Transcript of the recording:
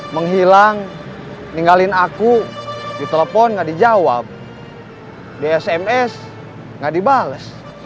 menghilang ninggalin aku ditelepon gak dijawab dsms gak dibales